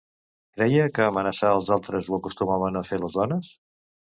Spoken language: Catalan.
Creia que amenaçar els altres ho acostumaven a fer les dones?